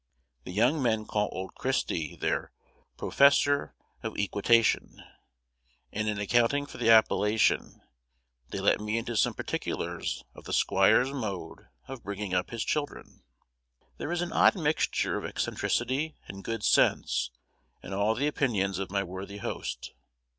The young men call old Christy their "professor of equitation," and in accounting for the appellation, they let me into some particulars of the squire's mode of bringing up his children. There is an odd mixture of eccentricity and good sense in all the opinions of my worthy host.